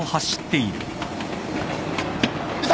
いた！